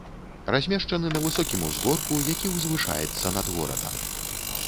Размешчаны на высокім узгорку, які ўзвышаецца над горадам.